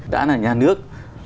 đã là nhà nước